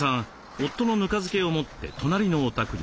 夫のぬか漬けを持って隣のお宅に。